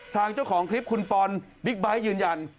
เจ้าของคลิปคุณปอนบิ๊กไบท์ยืนยัน